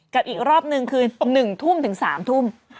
อีกรอบนึงคือ๑ทุ่มถึง๓ทุ่ม